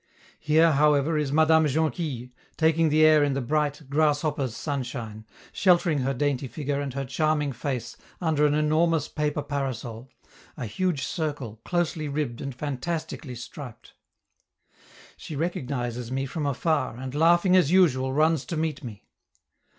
Here, however, is Madame Jonquille, taking the air in the bright, grasshoppers' sunshine, sheltering her dainty figure and her charming face under an enormous paper parasol, a huge circle, closely ribbed and fantastically striped. She recognizes me from afar, and, laughing as usual, runs to meet me.